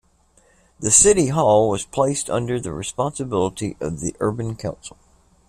The City Hall was placed under the responsibility of the Urban Council.